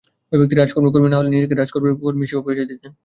ওই ব্যক্তি রাজউকের কর্মী না হলেও নিজেকে রাজউকের কর্মী হিসেবে পরিচয় দিতেন।